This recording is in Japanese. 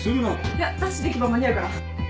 いやダッシュで行けば間に合うから。